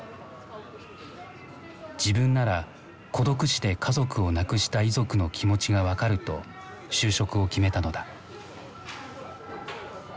自分なら孤独死で家族を亡くした遺族の気持ちが分かると就職を決めたのだ。